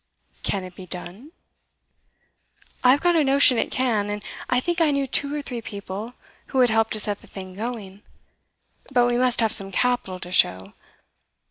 'Can it be done?' 'I've got a notion it can, and I think I know two or three people who would help to set the thing going. But we must have some capital to show.